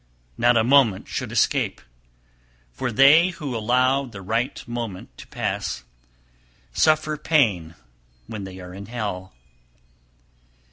Not a moment should escape, for they who allow the right moment to pass, suffer pain when they are in hell.